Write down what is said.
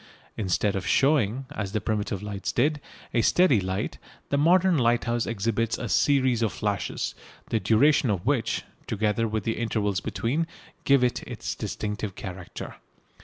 Instead of showing, as the primitive lights did, a steady light, the modern lighthouse exhibits a series of flashes, the duration of which, together with the intervals between, give it its distinctive character.